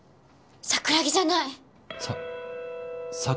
さ桜木じゃない？